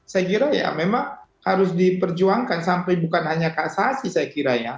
saya kira ya memang harus diperjuangkan sampai bukan hanya kasasi saya kira ya